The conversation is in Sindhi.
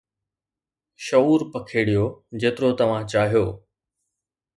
شعور پکيڙيو جيترو توھان چاھيو